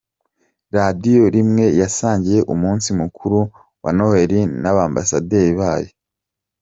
Radiyo rimwe yasangiye umunsi mukuru wa Noheli n’abambasaderi bayo